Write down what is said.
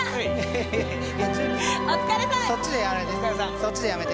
そっちでやめて。